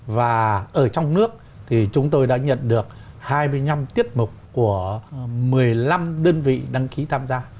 và ở trong nước thì chúng tôi đã nhận được hai mươi năm tiết mục của một mươi năm đơn vị đăng ký tham gia